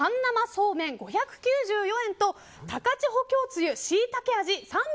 そうめん、５９４円と高千穂峡つゆしいたけ